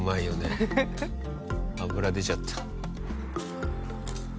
脂出ちゃった。